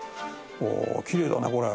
おおきれいだねこれ。